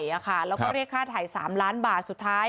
แล้วก็เรียกค่าถ่าย๓ล้านบาทสุดท้าย